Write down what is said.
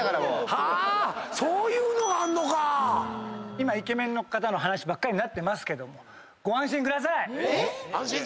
今イケメンの方の話ばっかりになってますけども。